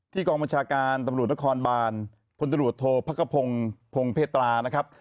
ที่กองปัญชาการตำรุดนครบานพลันรวธโธพักพงศ์พงภเทรานะครับ